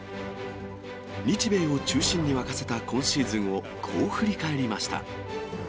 日米を中心に沸かせた今シーズンを、こう振り返りました。